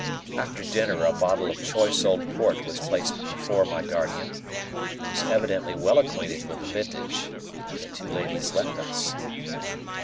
After dinner a bottle of choice old port was placed before my guardian (he was evidently well acquainted with the vintage), and the two ladies left us.